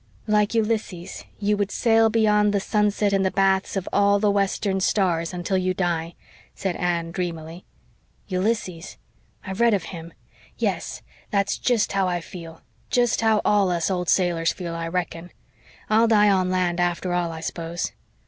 "Like Ulysses, you would 'Sail beyond the sunset and the baths Of all the western stars until you die,'" said Anne dreamily. "Ulysses? I've read of him. Yes, that's just how I feel jest how all us old sailors feel, I reckon. I'll die on land after all, I s'pose.